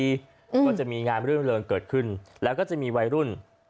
ก็จะมีงานเรื่องเริงเกิดขึ้นแล้วก็จะมีวัยรุ่น